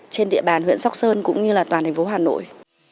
trên địa bàn huyện sóc sơn cũng như là toàn thành phố hà nội